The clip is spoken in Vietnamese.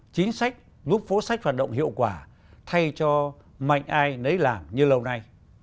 chính sách giúp phố sách hoạt động hiệu quả thay cho mạnh ai nấy làm như lâu nay